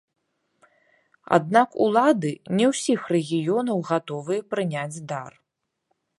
Аднак улады не ўсіх рэгіёнаў гатовыя прыняць дар.